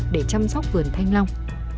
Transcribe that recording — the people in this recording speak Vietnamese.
để chăm sóc vườn thanh long